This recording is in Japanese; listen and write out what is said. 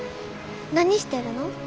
何してるの？